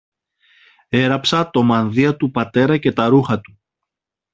Έραψα το μανδύα του πατέρα και τα ρούχα του